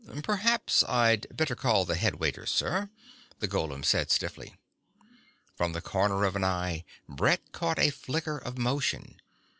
"Perhaps I'd better call the headwaiter, sir," the golem said stiffly. From the corner of an eye Brett caught a flicker of motion.